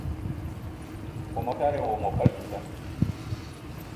Wo motara ayi wo mokal zugan